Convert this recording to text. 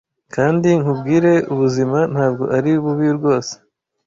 Kandi nkubwire ubuzima ntabwo ari bubi rwose.